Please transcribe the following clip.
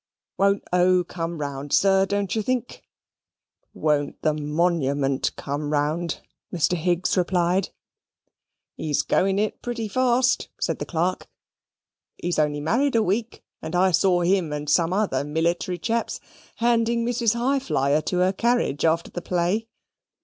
"Won't O. come round, sir, don't you think?" "Won't the monument come round," Mr. Higgs replied. "He's going it pretty fast," said the clerk. "He's only married a week, and I saw him and some other military chaps handing Mrs. Highflyer to her carriage after the play."